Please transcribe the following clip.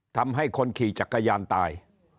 ทำให้คนขี่จักรยานตาย